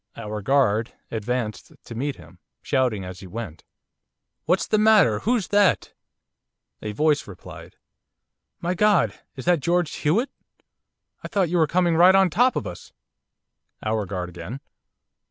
Our guard advanced to meet him, shouting as he went: 'What's the matter! Who's that?' A voice replied, 'My God! Is that George Hewett. I thought you were coming right on top of us!' Our guard again.